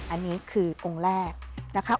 อันนี้คือองค์แรกนะครับ